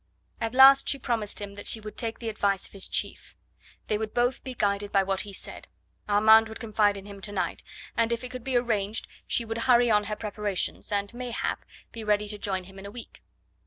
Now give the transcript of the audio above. At last she promised him that she would take the advice of his chief; they would both be guided by what he said. Armand would confide in him to night, and if it could be arranged she would hurry on her preparations and, mayhap, be ready to join him in a week.